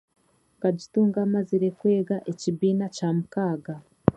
Nkagitunga mazire kwega ekibiina kya mukaaga.